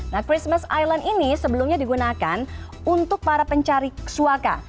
nah christmas island ini sebelumnya digunakan untuk para pencari suaka